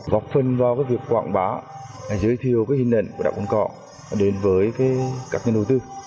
góp phần vào việc quảng bá giới thiệu hình ảnh của đảo cồn cỏ đến với các nhà đầu tư